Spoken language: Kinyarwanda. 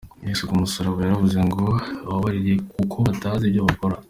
Ati: “Yesu ku musaraba yaravuze ngo bababarire kuko batazi icyo bakora.